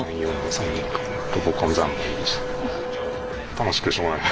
楽しくてしょうがない。